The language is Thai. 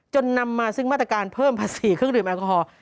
นำมาซึ่งมาตรการเพิ่มภาษีเครื่องดื่มแอลกอฮอล์